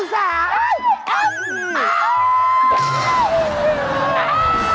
ใช่ค่ะแม่